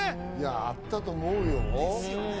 あったと思うよ。